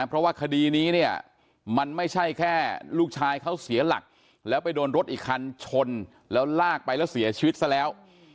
เพราะว่าคดีนี้เนี่ยมันไม่ใช่แค่ลูกชายเขาเสียหลักแล้วไปโดนรถอีกคันชนแล้วลากไปแล้วเสียชีวิตซะแล้ว